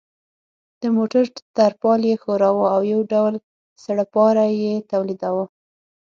د موټر ترپال یې ښوراوه او یو ډول سړپاری یې تولیداوه.